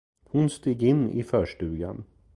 Hon steg in i förstugan.